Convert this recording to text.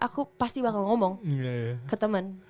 aku pasti bakal ngomong ke temen